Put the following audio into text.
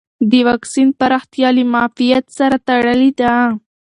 د واکسین پراختیا له معافیت سره تړلې ده.